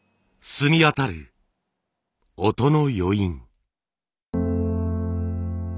澄み渡る音の余韻。